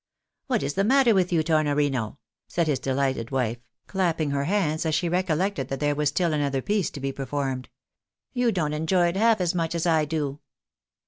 What is the matter with you, Tornorino ?" said his delighted wife, clapping her hands as she recollected that there was still another piece to be performed. " You don't enjoy it half as much as I do."